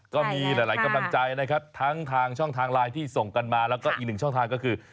ก็มีหลายกำลังใจนะครับทั้งทางช่องทางไลน์ที่ส่งกันมาแล้วก็อีกหนึ่งช่องทางก็คือ